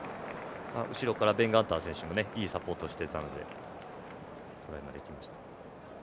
後ろからベン・ガンター選手もいいサポートをしていたのでトライができました。